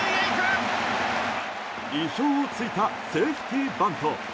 意表を突いたセーフティーバント。